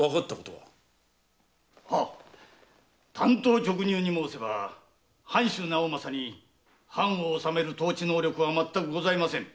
はっ単刀直入に申せば藩主・直正に藩を治める統治能力はまったくございません。